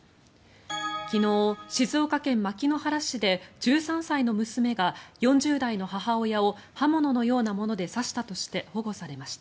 昨日、静岡県牧之原市で１３歳の娘が４０代の母親を刃物のようなもので刺したとして保護されました。